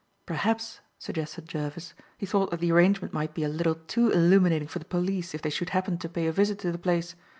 "Perhaps," suggested Jervis, "he thought that the arrangement might be a little too illuminating for the police, if they should happen to pay a visit to the place.